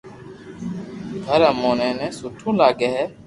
گھر اموني ني سٺو لاگي ھي